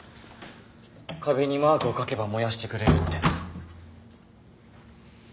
壁にマークを描けば燃やしてくれるって。